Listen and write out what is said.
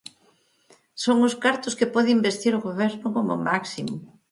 Son os cartos que pode investir o Goberno como máximo.